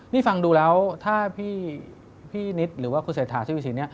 นี่ฟังดูแล้วถ้าพี่นิตหรือว่าคุณเสธาซูอิสิน